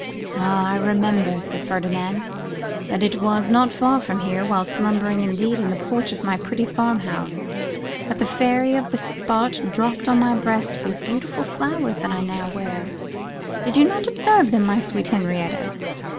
'Ah! I remember,' said Ferdinand, 'that it was not far from here, while slumbering indeed in the porch of my pretty farm house, that the fairy of the spot dropped on my breast these beautiful flowers that I now wear. Did you not observe them, my sweet Henrietta?